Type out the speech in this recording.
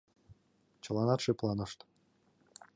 Чыланат шыпланышт.